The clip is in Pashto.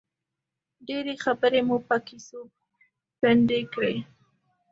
ډېرې خبرې مو په کیسو پنډې کړې.